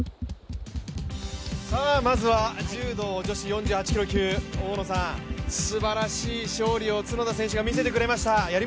まずは柔道女子４８キロ級、すばらしい勝利を角田さんが見せてくれました。